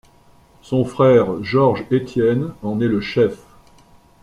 Son frère Georges Estienne en est le chef.